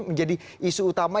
menjadi isu utama